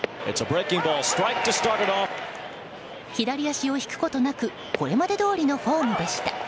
左足を引くことなくこれまでどおりのフォームでした。